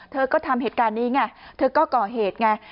เธอก็ทำเหตุการณ์นี้ไงเธอก็ก่อเหตุไง